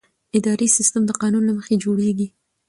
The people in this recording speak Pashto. اداري سیستم د قانون له مخې جوړېږي.